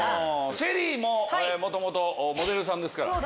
ＳＨＥＬＬＹも元々モデルさんですから。